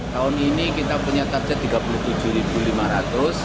tahun ini kita punya tarjet tiga puluh